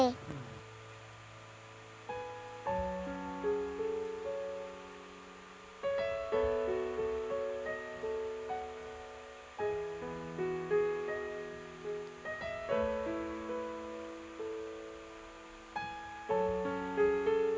พอจอบโลคให้ยายมากี๊